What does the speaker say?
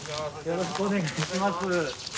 よろしくお願いします。